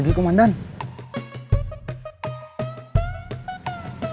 gini belong sta what